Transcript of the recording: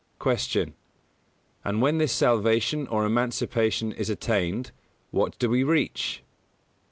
129. Q. _And when this salvation or emancipation is attained, what do we reach?